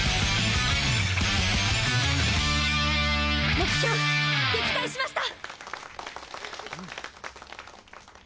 目標撃退しました！